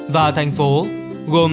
và thành phố gồm